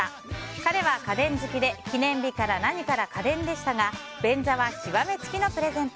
彼は家電好きで記念日から何から家電でしたが便座は極め付きのプレゼント。